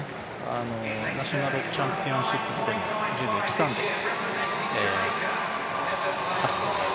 ナショナルチャンピオンシップでも１０秒１３で走っています。